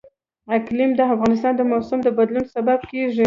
اقلیم د افغانستان د موسم د بدلون سبب کېږي.